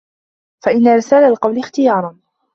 فَإِنَّ إرْسَالَ الْقَوْلِ اخْتِيَارٌ